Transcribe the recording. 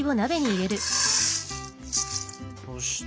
そして。